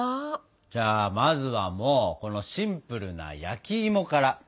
じゃあまずはもうこのシンプルな焼きいもから。